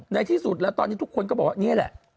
ในที่สุดแล้วตอนนี้ทุกคนก็บอกว่านี่แหละ